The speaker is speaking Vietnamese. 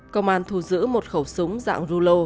công an thu giữ một khẩu súng dạng rulo